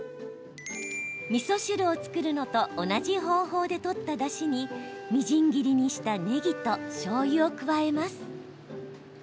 みそ汁を作るのと同じ方法で取った、だしにみじん切りにしたねぎとしょうゆを加えます。